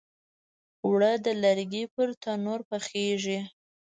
اوړه د لرګي پر تنور پخیږي